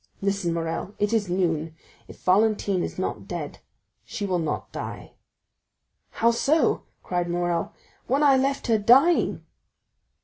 Listen, Morrel—it is noon; if Valentine is not now dead, she will not die." "How so?" cried Morrel, "when I left her dying?"